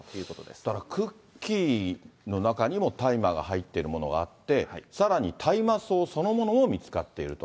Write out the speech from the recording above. だからクッキーの中にも大麻が入っているものがあって、さらに大麻草そのものも見つかっていると。